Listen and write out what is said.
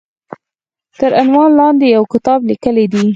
تر عنوان لاندې يو کتاب ليکلی دی